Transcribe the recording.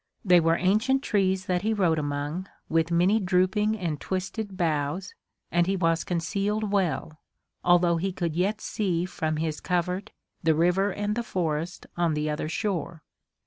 They were ancient trees that he rode among, with many drooping and twisted boughs, and he was concealed well, although he could yet see from his covert the river and the forest on the other shore.